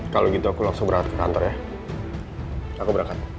kalau gitu aku langsung berangkat ke kantor ya aku berangkat